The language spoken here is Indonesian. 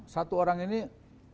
satu orang ini bukan hanya bisa menulis